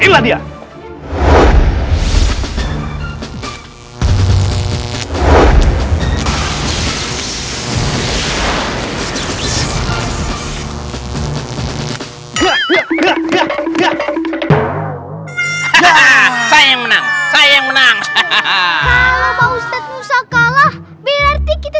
saya yang menang saya yang menang kalau mau usah kalah berarti kita